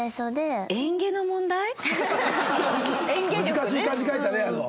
難しい漢字書いたね。